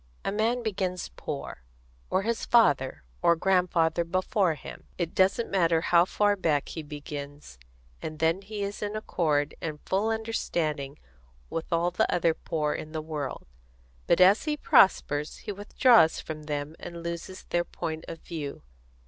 A man begins poor, or his father or grandfather before him it doesn't matter how far back he begins and then he is in accord and full understanding with all the other poor in the world; but as he prospers he withdraws from them and loses their point of view.